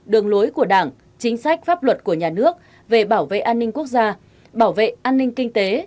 đường lối của đảng chính sách pháp luật của nhà nước về bảo vệ an ninh quốc gia bảo vệ an ninh kinh tế